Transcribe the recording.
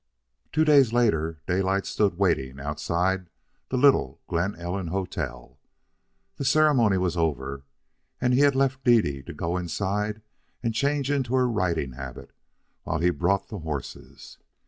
Two days later, Daylight stood waiting outside the little Glen Ellen hotel. The ceremony was over, and he had left Dede to go inside and change into her riding habit while he brought the horses.